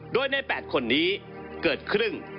โดยใน๘คนนี้เกิดครึ่ง